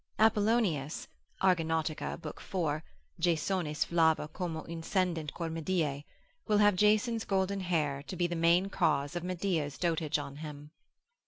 Apollonius (Argonaut. lib. 4. Jasonis flava coma incendit cor Medeae) will have Jason's golden hair to be the main cause of Medea's dotage on him.